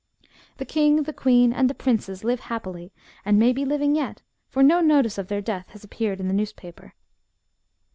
The king, the queen, and the princes live happily, and may be living yet, for no notice of their death has appeared in the newspaper."